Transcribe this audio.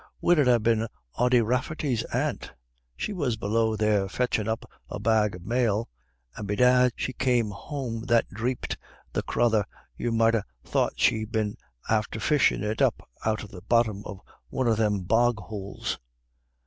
Would it ha' been Ody Rafferty's aunt? She was below there fetchin' up a bag of male, and bedad she came home that dhreeped, the crathur, you might ha' thought she'd been after fishin' it up out of the botthom of one of thim bog houles."